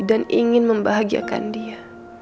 dan ingin membahagiakan dia